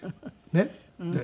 ねっ。